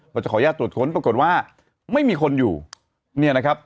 จะขออนุญาตตรวจค้นปรากฏว่าไม่มีคนอยู่เนี่ยนะครับ